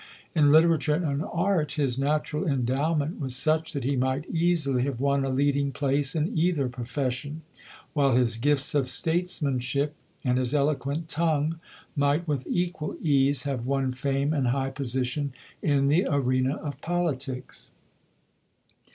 In literature and art his natural endowment was such that he might easily have won a leading place in either profession; while his gifts of statemanship and his eloquent tongue might with equal ease have won fame and high position in the arena of politics.